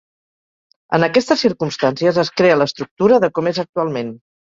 En aquestes circumstàncies es crea l'estructura de com és actualment.